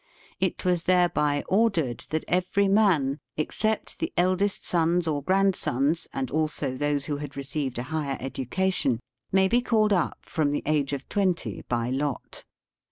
It was thereby ordered that every man, except the eldest sons or grandsons, and also those who had received a higher education, may be called up from the age of twenty by lot.